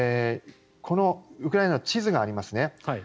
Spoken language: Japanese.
このウクライナの地図がありますね。